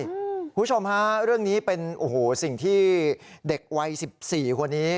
คุณผู้ชมฮะเรื่องนี้เป็นโอ้โหสิ่งที่เด็กวัย๑๔คนนี้